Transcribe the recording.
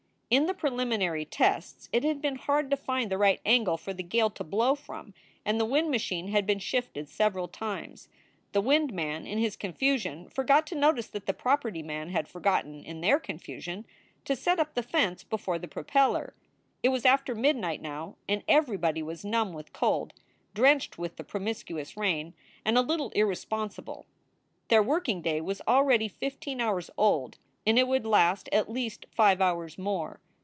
In the preliminary tests it had been hard to find the right angle for the gale to blow from, and the wind machine had been shifted several times. The wind man in his confusion forgot to notice that the property men had forgotten, in their confusion, to set up the fence before the propeller. It was after midnight now and everybody was numb with cold, drenched with the promiscuous rain, and a little irre sponsible. Their working day was already fifteen hours old and it would last at least five hours more.